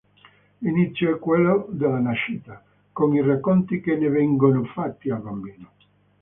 L'inizio è quello della nascita, con i racconti che ne vengono fatti al bambino.